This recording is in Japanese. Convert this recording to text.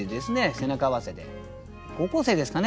背中合わせで高校生ですかね